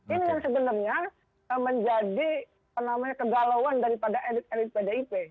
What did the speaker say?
ini yang sebenarnya menjadi kegalauan daripada elit elit pdip